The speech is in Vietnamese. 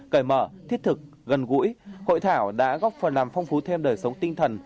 cởi mở thiết thực gần gũi hội thảo đã góp phần làm phong phú thêm đời sống tinh thần